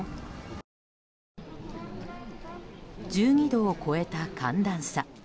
１２度を超えた寒暖差。